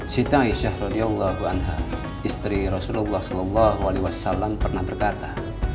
sita'i syahriyallahul anha istri rasulullah saw pernah berkata